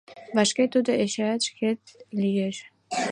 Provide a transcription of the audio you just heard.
Вашке тудо эшеат шкет лиеш.